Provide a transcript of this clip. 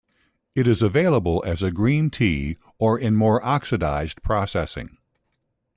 It is available as a green tea or in more oxidised processing.